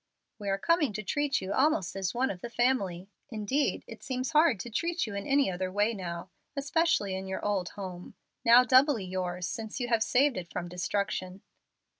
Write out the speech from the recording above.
"We are coming to treat you almost as one of the family. Indeed it seems hard to treat you in any other way now, especially in your old home, now doubly yours since you have saved it from destruction.